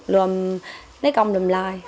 luôn lấy công lùm lại